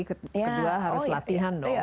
kedua harus latihan dong